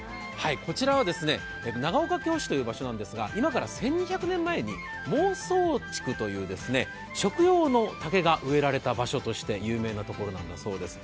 こちらは長岡京市という場所なんですが今から１２００年前にもうそうちくという食用の竹が植えられた場所として有名なんだそうです。